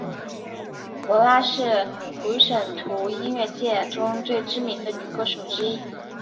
帕拉是普什图音乐界中最知名的女歌手之一。